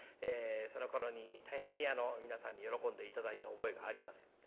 そのころに大変に皆さんに喜んで頂いた覚えがあります。